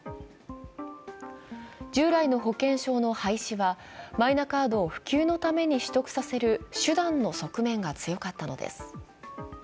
従来の保険証の廃止はマイナカードを普及のために取得させる手段の側面が強かったのです。